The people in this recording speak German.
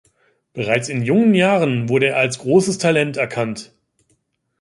Bereits in jungen Jahren wurde er als großes Talent erkannt.